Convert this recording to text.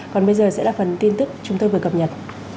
còn bây giờ sẽ là phần tin tức chúng tôi vừa cập nhật